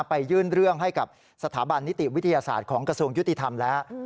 ไปยื่นเรื่องให้กับสถาบันนิติวิทยาศาสตร์ของกระทรวงยุติธรรมแล้ว